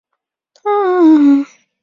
可允许编辑与修改条目。